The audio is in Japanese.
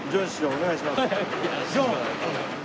お願いします。